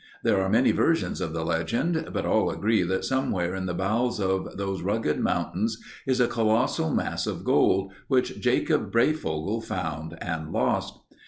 There are many versions of the legend, but all agree that somewhere in the bowels of those rugged mountains is a colossal mass of gold, which Jacob Breyfogle found and lost.